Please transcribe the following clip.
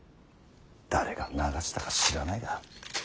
誰が流したか知らないが。